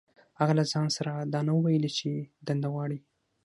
هغه له ځان سره دا نه وو ويلي چې دنده غواړي.